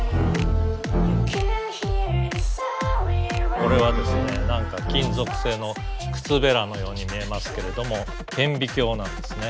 これはですね何か金属製の靴べらのように見えますけれども顕微鏡なんですね。